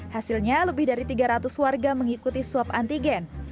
hasilnya lebih dari tiga ratus warga mengikuti swab antigen